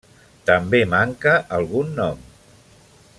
També manca algun nom.